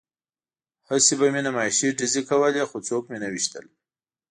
هسې به مې نمایشي ډزې کولې خو څوک مې نه ویشتل